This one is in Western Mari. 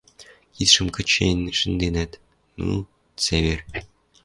Кидшӹм кычен шӹнденӓт: «Ну, цевер...